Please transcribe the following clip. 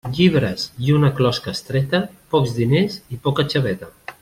Llibres i una closca estreta, pocs diners i poca xaveta.